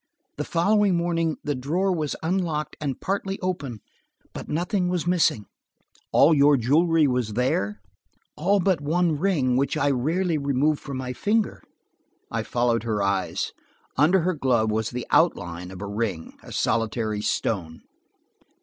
The following morning the drawer was unlocked and partly open, but nothing was missing." "All your jewelry was there?" "All but one ring, which I rarely remove from my finger." I followed her eyes. Under her glove was the outline of a ring, a solitaire stone.